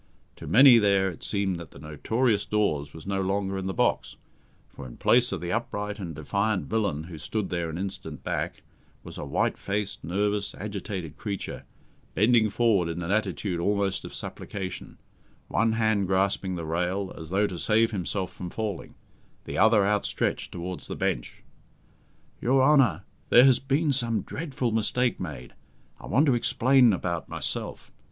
To many there it seemed that the "notorious Dawes" was no longer in the box, for, in place of the upright and defiant villain who stood there an instant back, was a white faced, nervous, agitated creature, bending forward in an attitude almost of supplication, one hand grasping the rail, as though to save himself from falling, the other outstretched towards the bench. "Your Honour, there has been some dreadful mistake made. I want to explain about myself.